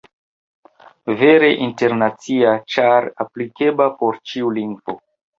Vere internacia, ĉar aplikebla por ĉiu lingvo.